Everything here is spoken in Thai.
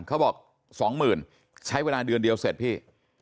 เขาบอกสองหมื่นใช้เวลาเดือนเดียวเสร็จพี่